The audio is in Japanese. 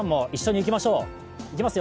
いきますよ